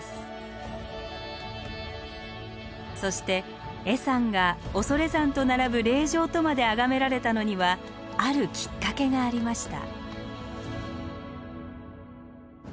そして恵山が恐山と並ぶ霊場とまで崇められたのにはあるきっかけがありました。